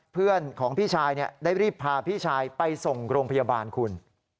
เพื่อนของพี่ชายได้รีบพาพี่ชายไปส่งโรงพยาบาลคุณ